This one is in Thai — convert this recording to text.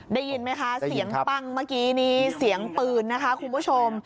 ได้ยินไหมคะเสียงปังเมื่อกี้นี้เสียงปืนนะคะคุณผู้ชม